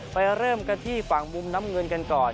เริ่มกันที่ฝั่งมุมน้ำเงินกันก่อน